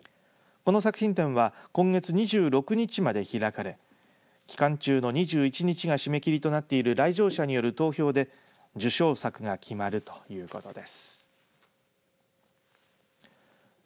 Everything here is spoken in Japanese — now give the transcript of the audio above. この作品展は今月２６日まで開かれ期間中の２１日が締め切りとなっている来場者による投票で受賞作が決まるということです。